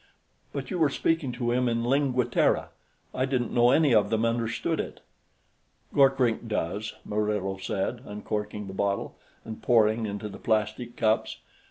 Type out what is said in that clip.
But you were speaking to him in Lingua Terra; I didn't know any of them understood it." "Gorkrink does," Murillo said, uncorking the bottle and pouring into the plastic cups.